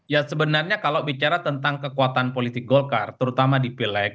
ya sebenarnya kalau bicara tentang kekuatan politik golkar terutama di pileg